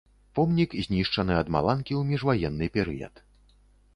Помнік знішчаны ад маланкі ў міжваенны перыяд.